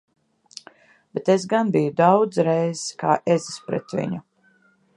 Bet es gan biju daudzreiz kā ezis pret viņu!